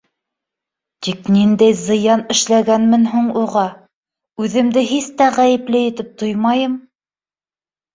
Тик ниндәй зыян эшләгәнмен һуң уға? Үҙемде һис тә ғәйепле итеп тоймайым.